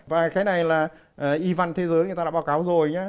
và cái này là y văn thế giới người ta đã báo cáo rồi nhé